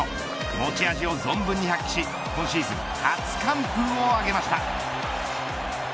持ち味を存分に発揮し今シーズン初完封を挙げました。